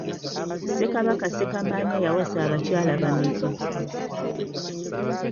Ssekabaka Ssekamaanya yawasa abakyala bameka?